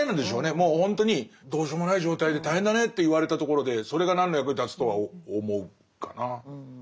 もうほんとにどうしようもない状態で大変だねと言われたところでそれが何の役に立つとは思うかな。